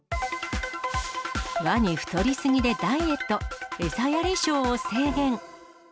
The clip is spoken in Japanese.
ワニ太りすぎでダイエット、餌やりショーを制限。